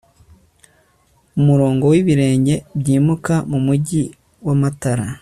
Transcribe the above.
Umurongo wibirenge byimuka mumujyi wamatara